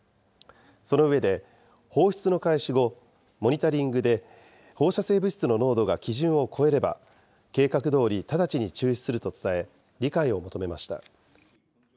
その上で、放出の開始後、モニタリングで放射性物質の濃度が基準を超えれば、計画どおり直ちに中止すると伝え、理解を求めました。